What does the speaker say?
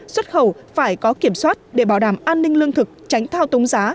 xuất khẩu phải có kiểm soát để bảo đảm an ninh lương thực tránh thao túng giá